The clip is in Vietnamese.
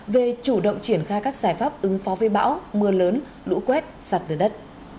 về chủ động triển khai các giải pháp ứng phó với bão mưa lớn lũ quét sạt lở đất